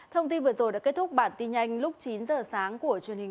thông tin vừa rồi đã kết thúc bản tin nhanh lúc chín h sáng của truyền hình công an nhân dân